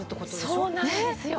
そうなんですよ。